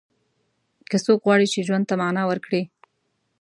که څوک غواړي چې ژوند ته معنا ورکړي.